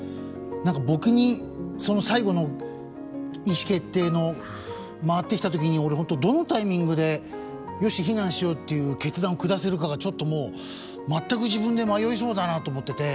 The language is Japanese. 何か僕に最後の意思決定の回ってきた時に俺本当どのタイミングで「よし避難しよう！」っていう決断を下せるかがちょっともう全く自分で迷いそうだなと思ってて。